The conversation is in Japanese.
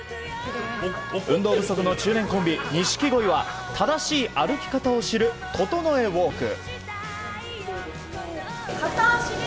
運動不足の中年コンビ、錦鯉は正しい歩き方を知る整えウォーク。